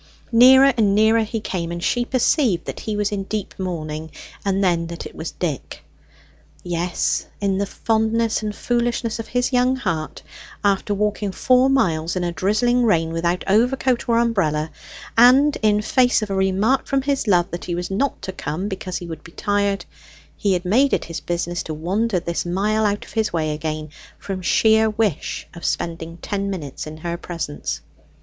Nearer and nearer he came, and she perceived that he was in deep mourning, and then that it was Dick. Yes, in the fondness and foolishness of his young heart, after walking four miles, in a drizzling rain without overcoat or umbrella, and in face of a remark from his love that he was not to come because he would be tired, he had made it his business to wander this mile out of his way again, from sheer wish of spending ten minutes in her presence.